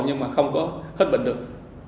nhưng mà không có hết bệnh được